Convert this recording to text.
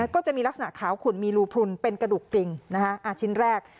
ก็จะมีลักษณะขาวขุ่นมีรูพลุนเป็นกระดูกจริงชิ้นแรก